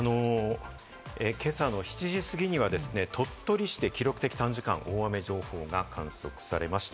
今朝の７時過ぎには、鳥取市で記録的短時間大雨情報が観測されました。